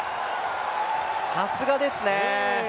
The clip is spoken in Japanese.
さすがですね。